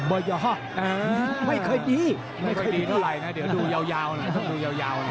ไม่เคยดีไม่เคยดีเท่าไรนะเดี๋ยวดูยาวหน่อยดูยาวหน่อย